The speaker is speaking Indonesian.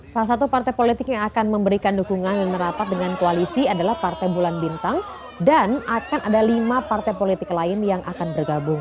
salah satu partai politik yang akan memberikan dukungan yang merapat dengan koalisi adalah partai bulan bintang dan akan ada lima partai politik lain yang akan bergabung